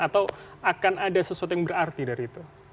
atau akan ada sesuatu yang berarti dari itu